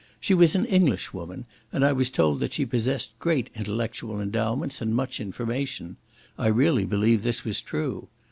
She was an English woman, and I was told that she possessed great intellectual endowments, and much information; I really believe this was true.